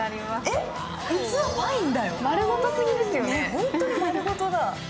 本当に丸ごとだ。